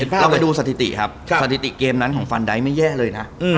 เราไปดูสถิติครับสถิติเกมนั้นของฟันไดท์ไม่แย่เลยนะ